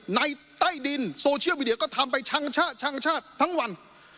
ใต้ดินโซเชียลมีเดียก็ทำไปชังชาติชังชาติทั้งวัน